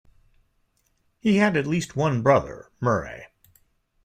He had at least one brother, Murray.